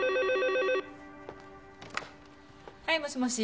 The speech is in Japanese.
はいもしもし。